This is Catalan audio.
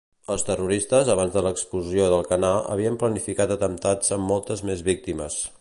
Els terroristes, abans de l'explosió d'Alcanar, havien planificat atemptats amb moltes més víctimes.